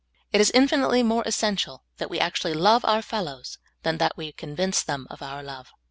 It is infi nitely more essential that we actually love our fellows than that we convince them of our love.